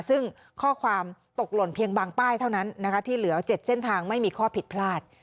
ซึ่งข้อความตกหล่นเพียงบางป้ายเท่านั้นนะคะที่เหลือ๗เส้นทางไม่มีข้อผิดพลาด